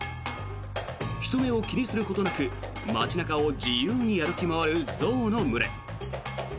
人目を気にすることなく街中を自由に歩き回る象の群れ。